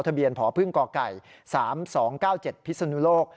ทะเบียนพพ๓๒๙๗พิศนุโลก